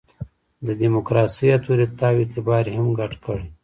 د ډیموکراسي اُتوریته او اعتبار یې هم ګډ کړي.